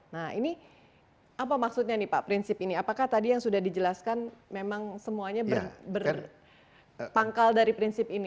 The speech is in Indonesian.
nah ini apa maksudnya nih pak prinsip ini apakah tadi yang sudah dijelaskan memang semuanya berpangkal dari prinsip ini